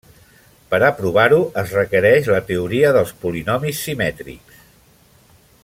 Per a provar-ho es requereix la teoria dels polinomis simètrics.